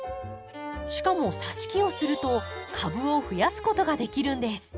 しかもさし木をすると株を増やすことができるんです。